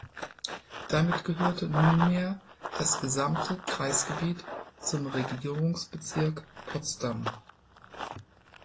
Damit gehörte nunmehr das gesamte Kreisgebiet zum Regierungsbezirk Potsdam.